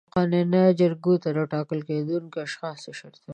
مقننه جرګو ته د ټاکل کېدونکو اشخاصو شرطونه